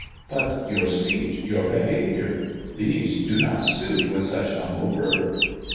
" But your speech, your behaviour. These do not sui with such humble birth."